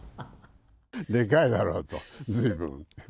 でかいだろうと、ずいぶん。